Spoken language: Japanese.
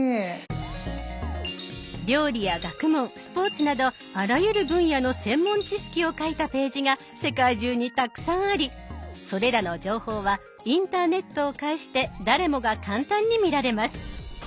料理や学問スポーツなどあらゆる分野の専門知識を書いたページが世界中にたくさんありそれらの情報はインターネットを介して誰もが簡単に見られます。